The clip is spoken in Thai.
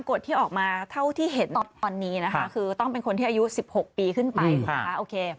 กฎที่ออกมาเท่าที่เห็นตอนนี้นะคะคือต้องเป็นคนที่อายุ๑๖ปีขึ้นไปถูกไหมคะโอเค